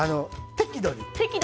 適度に。